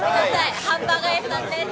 ハンバーガー屋さんです。